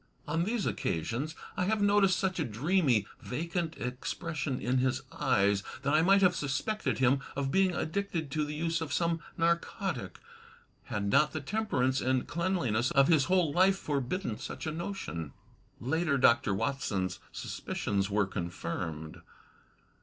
On these occasions I have noticed such a dreamy, vacant expression in his eyes, that I might have suspected him of being addicted to the use of some narcotic, had not the temperance and cleanliness of his whole life forbidden such a notion. Later, Dr. Watson's suspicions were confirmed.